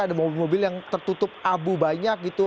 ada mobil mobil yang tertutup abu banyak gitu